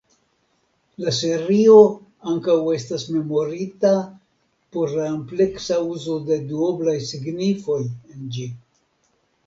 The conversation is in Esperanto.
La serio ankaŭ estas memorita por la ampleksa uzo de duoblaj signifoj en ĝi.